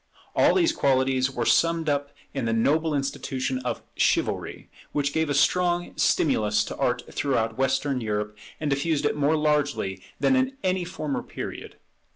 All these qualities were summed up in the noble institution of Chivalry; which gave a strong stimulus to Art throughout Western Europe, and diffused it more largely than in any former period.